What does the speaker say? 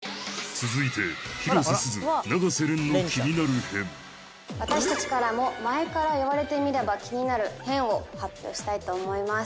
続いて私達からも前から言われてみれば気になる変を発表したいと思います